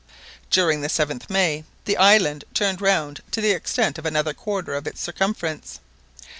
During the 7th May the island turned round to the extent of another quarter of its circumference.